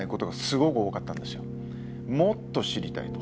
もっと知りたいと。